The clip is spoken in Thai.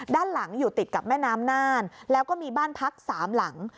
ด้านหลังอยู่ติดกับแม่น้ำน่านแล้วก็มีบ้านพักสามหลัง